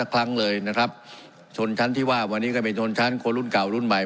ครั้งเลยนะครับชนชั้นที่ว่าวันนี้ก็เป็นชนชั้นคนรุ่นเก่ารุ่นใหม่